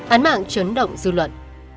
án mạng chấn động dư luận